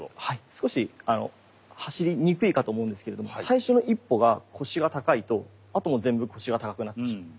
少し走りにくいかと思うんですけれども最初の一歩が腰が高いとあともう全部腰が高くなってしまう。